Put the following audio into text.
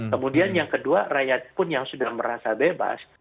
kemudian yang kedua rakyat pun yang sudah merasa bebas